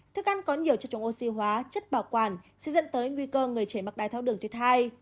thức ăn có nhiều chất trùng oxy hóa chất bảo quản sẽ dẫn tới nguy cơ người chế mắc đai tháo đường tuyết thai